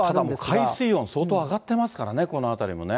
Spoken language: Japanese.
ただ、海水温、相当上がってますからね、このあたりもね。